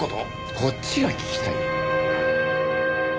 こっちが聞きたいよ！